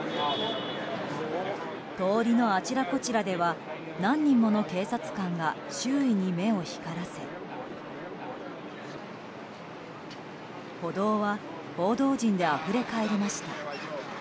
通りのあちらこちらでは何人もの警察官が周囲に目を光らせ歩道は報道陣であふれかえりました。